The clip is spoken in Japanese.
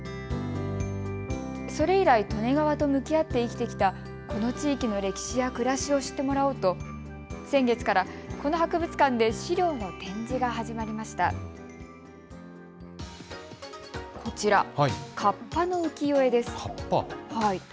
それ以来、利根川と向き合って生きてきたこの地域の歴史や暮らしを知ってもらおうと先月から、この博物館で資料の展示が始まりました。